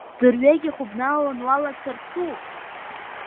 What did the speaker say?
Дырҩегьых убналан уалацарцу?